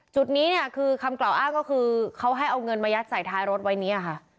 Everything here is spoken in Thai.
จุดนี้เนี่ยคือคำกล่าวอ้างก็คือเขาให้เอาเงินมายัดใส่ท้ายรถไว้นี้ค่ะ